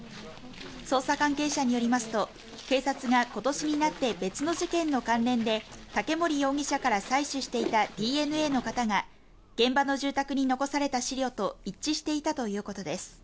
捜査関係者によりますと警察が今年になって別の事件の関連で竹森容疑者から採取したＤＮＡの型が現場の住宅に残された資料と一致していたということです